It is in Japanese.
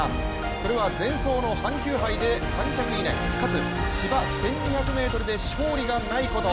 それは前走の阪急杯で３着以内、かつ芝１２００ｍで勝利がないこと。